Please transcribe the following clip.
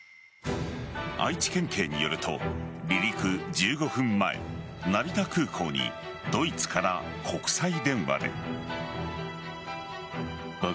愛知県警によると、離陸１５分前成田空港にドイツから国際電話で。